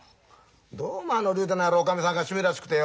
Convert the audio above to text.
どうもあの竜太の野郎おかみさんが趣味らしくてよ